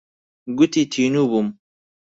گوتی تینوو بووم.